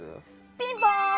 ピンポーン！